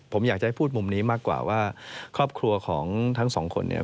ผมอยากจะให้พูดมุมนี้มากกว่าว่าครอบครัวของทั้งสองคนเนี่ย